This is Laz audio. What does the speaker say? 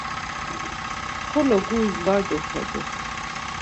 Xolo guris var duxedu.